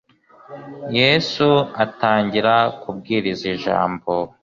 yesu atangira kubwiriza ijambo